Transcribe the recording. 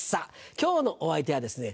今日のお相手はですね